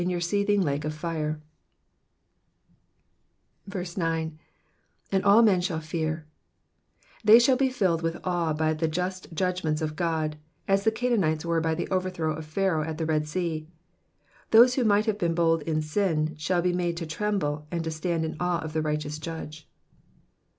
your seething lake of fire ?^* 9. ^*'And all men shall fear,''^ They shall be filled with awe by the just judgments of God, as the Canaanites were by the overthrow of Pharoah at the Ked Sea. Those who might have been bold in sin shall be made to tremble and to stand in awe of the righteous Judge.